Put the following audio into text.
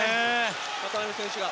渡邊選手が。